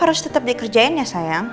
harus tetap dikerjain ya sayang